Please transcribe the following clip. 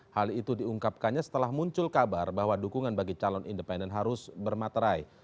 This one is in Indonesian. hal itu diungkapkannya setelah muncul kabar bahwa dukungan bagi calon independen harus bermaterai